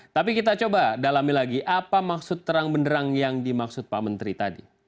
tapi kita coba dalami lagi apa maksud terang benderang yang dimaksud pak menteri tadi